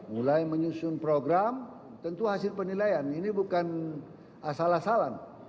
mulai menyusun program tentu hasil penilaian ini bukan asal asalan